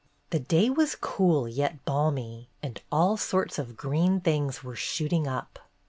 The day was cool yet balmy, and all sorts of green things were shooting up.